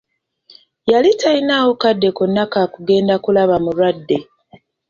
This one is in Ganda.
Yali talinaawo kadde konna ka kugenda kulaba mulwadde.